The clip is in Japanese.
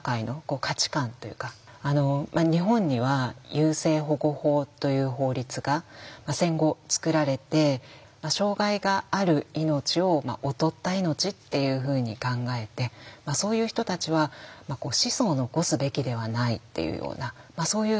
日本には優生保護法という法律が戦後作られて障害がある命を劣った命っていうふうに考えてそういう人たちは子孫を残すべきではないっていうようなそういう考え方。